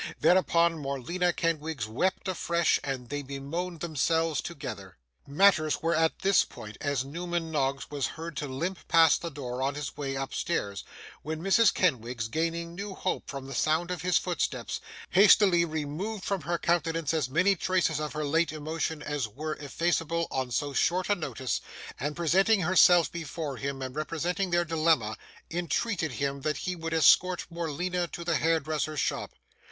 Thereupon, Morleena Kenwigs wept afresh, and they bemoaned themselves together. Matters were at this point, as Newman Noggs was heard to limp past the door on his way upstairs; when Mrs. Kenwigs, gaining new hope from the sound of his footsteps, hastily removed from her countenance as many traces of her late emotion as were effaceable on so short a notice: and presenting herself before him, and representing their dilemma, entreated that he would escort Morleena to the hairdresser's shop.